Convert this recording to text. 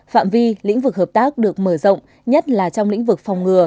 phạm vi lĩnh vực hợp tác được mở rộng nhất là trong lĩnh vực phòng ngừa